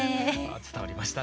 伝わりました。